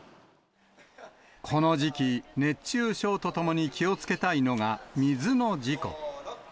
この時期、熱中症とともに気をつけたいのが、水の事故。